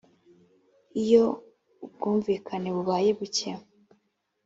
iyo ubwumvikane bubaye buke